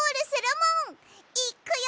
いっくよ！